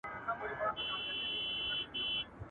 افغانۍ بې ارزښته نه ده.